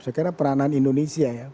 saya kira peranan indonesia ya